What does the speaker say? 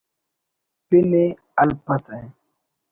پن ءِ ہلپسہ